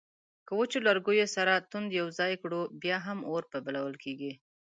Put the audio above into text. که وچو لرګیو سره توند یو ځای کړو بیا هم اور په بلول کیږي